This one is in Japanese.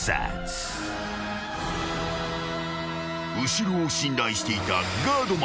［後ろを信頼していたがーど